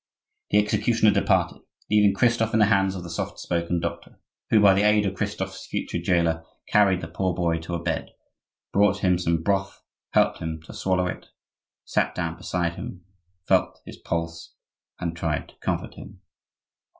The executioner departed, leaving Christophe in the hands of the soft spoken doctor, who by the aid of Christophe's future jailer, carried the poor boy to a bed, brought him some broth, helped him to swallow it, sat down beside him, felt his pulse, and tried to comfort him.